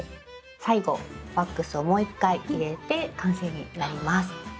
最後ワックスをもう１回入れて完成になります。